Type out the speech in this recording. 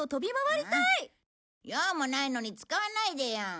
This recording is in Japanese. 用もないのに使わないでよ。